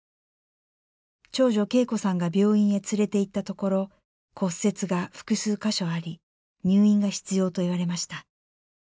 長女景子さんが病院へ連れて行ったところ骨折が複数箇所あり入院が必要と言われました。